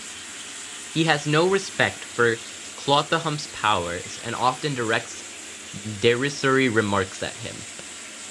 He has no respect for Clothahump's powers and often directs derisory remarks at him.